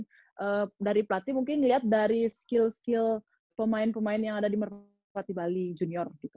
dan dari pelatih mungkin ngeliat dari skill skill pemain pemain yang ada di merpati bali junior